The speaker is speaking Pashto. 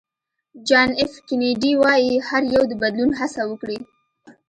جان اېف کېنیډي وایي هر یو د بدلون هڅه وکړي.